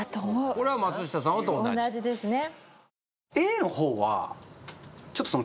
これは松下様と同じ同じですね